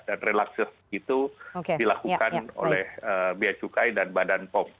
dan relaxer itu dilakukan oleh bihukay dan badan pom